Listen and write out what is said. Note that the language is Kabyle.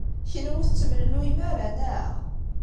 Kenwi ur tettemlelluyem ara, naɣ?